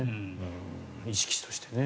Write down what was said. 意識としてね。